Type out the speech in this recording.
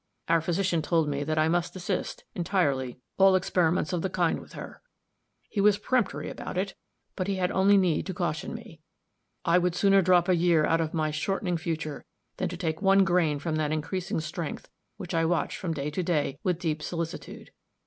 Our physician told me that I must desist, entirely, all experiments of the kind with her. He was peremptory about it, but he had only need to caution me. I would sooner drop a year out of my shortening future than to take one grain from that increasing strength which I watch from day to day with deep solicitude.